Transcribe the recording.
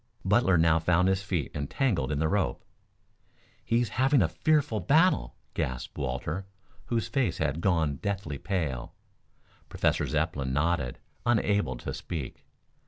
Butler now found his feet entangled in the rope. "He's having a fearful battle!" gasped Walter, whose face had gone deathly pale. Professor Zepplin nodded, unable to speak.